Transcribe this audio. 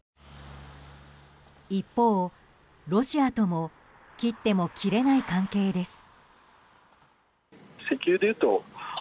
一方、ロシアとも切っても切れない関係です。